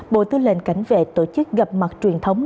bộ tư lệnh cảnh vệ tổ chức gặp mặt truyền thống